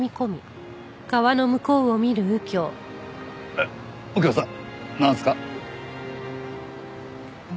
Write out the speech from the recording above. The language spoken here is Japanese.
えっ右京さんなんですか？